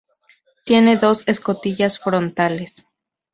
Tiene dos escotillas frontales.